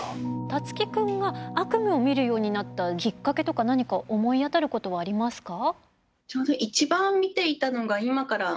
樹生くんが悪夢を見るようになったきっかけとか何か思い当たることはありますか？